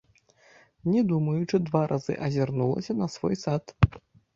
Не думаючы, два разы азірнулася на свой сад.